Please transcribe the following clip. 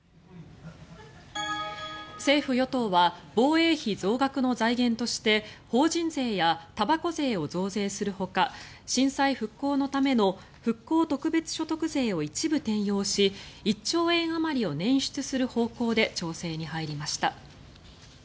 政府・与党は防衛費増額の財源として法人税やたばこ税を増税するほか震災復興のための復興特別所得税を一部転用し１兆円あまりを捻出する方向で調整に入りました。